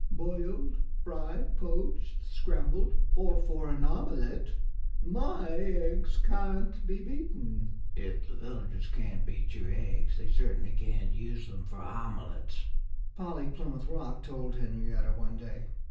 "Boiled, fried, poached, scrambled, or for an omelette my eggs can't be beaten." "If the villagers can't beat your eggs they certainly can't use them for omelettes," Polly Plymouth Rock told Henrietta one day.